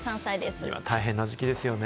大変な時期ですよね。